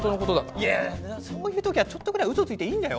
いやそういう時はちょっとぐらい嘘ついていいんだよ。